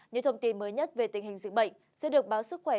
những thông tin mới nhất về tình hình dịch bệnh sẽ được báo sức khỏe